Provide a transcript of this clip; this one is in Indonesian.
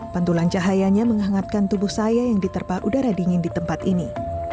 pentulan cahayanya menghangatkan tubuh saya yang diterpah udara dingin di tempat ini